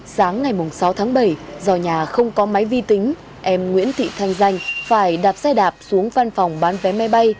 sáng ngày sáu tháng bảy do nhà không có máy vi tính em nguyễn thị thanh danh phải đạp xe đạp xuống văn phòng bán vé máy bay